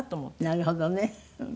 なるほどね。